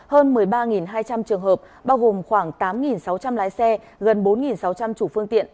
hơn một mươi ba hai trăm linh trường hợp bao gồm khoảng tám sáu trăm linh lái xe gần bốn sáu trăm linh chủ phương tiện